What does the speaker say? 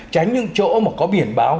tránh những chỗ mà có biển báo